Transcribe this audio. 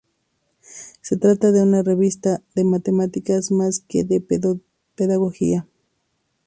Se trata de una revista de matemáticas más que de pedagogía.